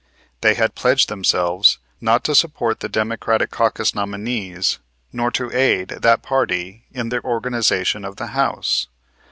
They had pledged themselves not to support the Democratic caucus nominees, nor to aid that party in the organization of the House.